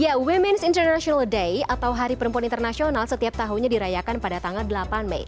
ya ⁇ womens ⁇ international day atau hari perempuan internasional setiap tahunnya dirayakan pada tanggal delapan mei